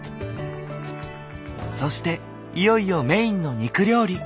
そしていよいよメインの肉料理。